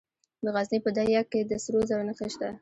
د غزني په ده یک کې د سرو زرو نښې شته.